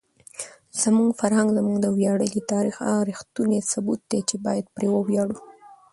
زموږ فرهنګ زموږ د ویاړلي تاریخ هغه ریښتونی ثبوت دی چې باید پرې وویاړو.